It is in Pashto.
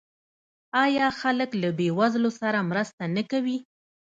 آیا خلک له بې وزلو سره مرسته نه کوي؟